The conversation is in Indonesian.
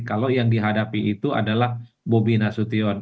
kalau yang dihadapi itu adalah bobi nasution